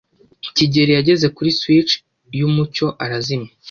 kigeli yageze kuri switch yumucyo arazimya.